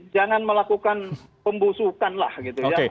jangan melakukan pembusukan lah gitu ya